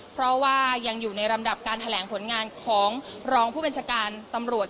เพราะว่ายังอยู่ในลำดับการแถลงผลงานของรองผู้บัญชาการตำรวจ